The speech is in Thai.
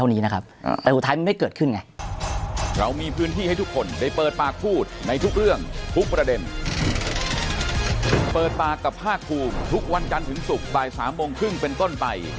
ในทุกเรื่องทุกประเด็น